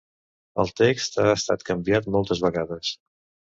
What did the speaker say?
El text ha estat canviat moltes vegades.